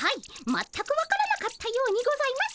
全く分からなかったようにございます。